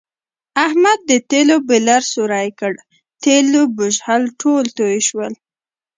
احمد د تېلو بیلر سوری کړ، تېلو بژوهل ټول تویې شول.